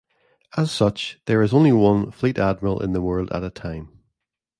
As such, there is only one Fleet Admiral in the world at a time.